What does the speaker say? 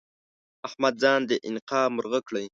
احمد ځان د انقا مرغه کړی؛